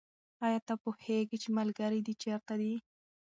آیا ته پوهېږې چې ملګري دې چېرته دي؟